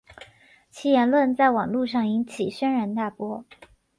其言论在网路上引起轩然大波。